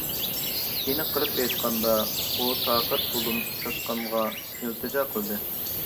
ئېنىق قىلىپ ئېيتقاندا، ئۇ تاقىر تۇلۇم چاشقانغا ئىلتىجا قىلدى.